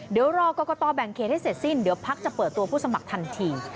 เดี๋ยวรอกรกตแบ่งเขตให้เสร็จสิ้นเดี๋ยวพักจะเปิดตัวผู้สมัครทันที